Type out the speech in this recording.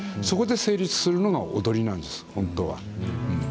そこで成立するのが踊りなんです、本当は。